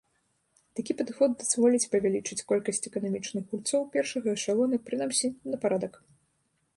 Такі падыход дазволіць павялічыць колькасць эканамічных гульцоў першага эшалона прынамсі на парадак.